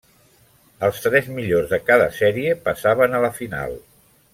Els tres millors de cada sèrie passaven a la final.